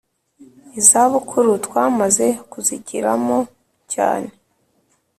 izabukuru twamaze kuzigeramo cyane